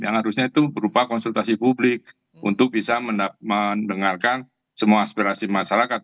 yang harusnya itu berupa konsultasi publik untuk bisa mendengarkan semua aspirasi masyarakat